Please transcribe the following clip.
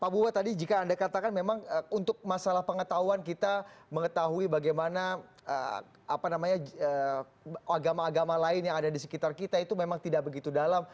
pak buwa tadi jika anda katakan memang untuk masalah pengetahuan kita mengetahui bagaimana agama agama lain yang ada di sekitar kita itu memang tidak begitu dalam